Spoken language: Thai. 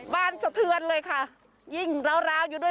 สะเทือนเลยค่ะยิ่งราวอยู่ด้วย